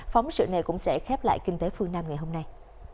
phóng sự này cũng sẽ khép lại kinh tế phương nam ngày hôm nay